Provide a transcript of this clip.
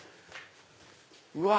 うわ！